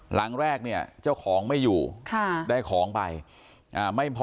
หลังแรกเนี่ยเจ้าของไม่อยู่ได้ของไปไม่พอ